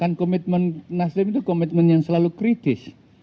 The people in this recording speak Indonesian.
kan komitmen nasdem itu komitmen yang selalu kritis